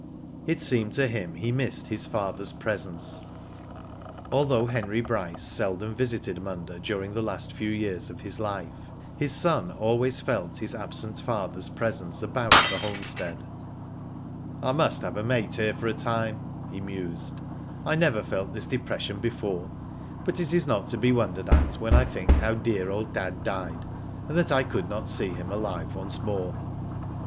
It seemed to him he missed his father^s presence. Although Henry Bryce seldom visited Munda during the last few years of his life, his son always felt his absent father's presence about the homestead. " I must have a mate here for a time,'' he mused. I never felt this depression before, but it is not to be wondered at when I think how dear old dad died, and that I could not see him alive once more."